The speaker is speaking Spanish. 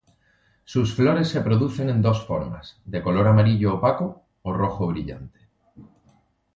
Sus flores se producen en dos formas: de color amarillo opaco, o rojo brillante.